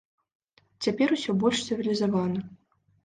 Цяпер усё больш цывілізавана.